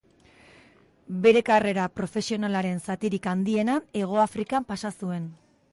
Bere karrera profesionalaren zatirik handiena Hegoafrikan pasa zuen.